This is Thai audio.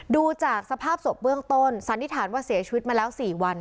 ดูจากสภาพศพเบื้องต้นสันนิษฐานว่าเสียชีวิตมาแล้ว๔วัน